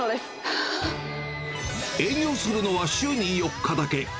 営業するのは、週に４日だけ。